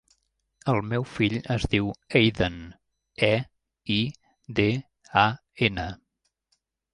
El meu fill es diu Eidan: e, i, de, a, ena.